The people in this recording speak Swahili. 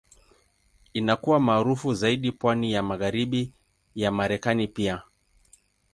Inakuwa maarufu zaidi pwani ya Magharibi ya Marekani pia.